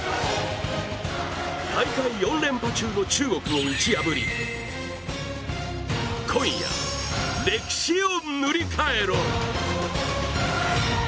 大会４連覇中の中国を打ち破り今夜、歴史を塗り替えろ。